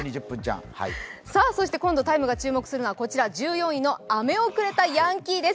そして今度、「ＴＩＭＥ，」が注目するのは１４位、アメをくれたヤンキーです